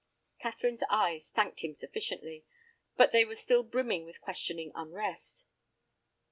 Catherine's eyes thanked him sufficiently, but they were still brimming with questioning unrest.